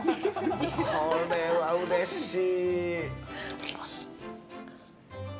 これはうれしい！